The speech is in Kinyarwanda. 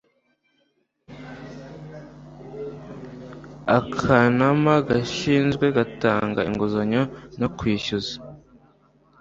akanama gashyinzwe gutanga inguzanyo no kwishyuza